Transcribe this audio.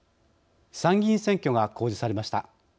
参議院選挙が公示されました。